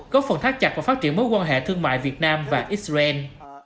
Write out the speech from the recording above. góp phần thác chặt và phát triển mối quan hệ thương mại việt nam và israel